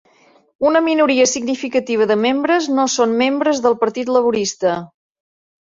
Una minoria significativa de membres no són membres del Partit Laborista.